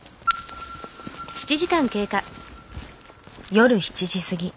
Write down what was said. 夜７時過ぎ。